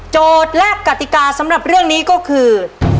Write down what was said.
และกติกาสำหรับเรื่องนี้ก็คือ